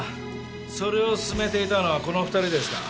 それを進めていたのはこの２人ですか？